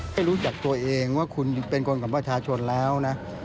ไม่รู้จักตัวเองว่าคุณเป็นคนของประชาชนแล้วนะ